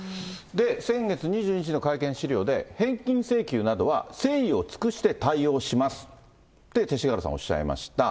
先月２１日の会見資料で返金請求などは誠意を尽くして対応しますって、勅使河原さんおっしゃいました。